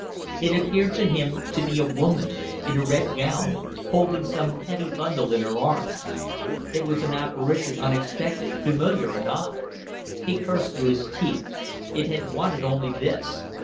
It appeared to him to be a woman, in a red gown, holding some heavy bundle in her arms; it was an apparition unexpected, familiar and odd. He cursed through his teeth ... It had wanted only this!